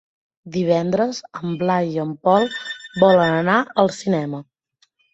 Divendres en Blai i en Pol volen anar al cinema.